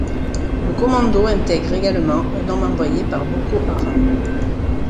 Le commando intègre également un homme envoyé par Boko Haram.